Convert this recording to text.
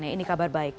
ini kabar baik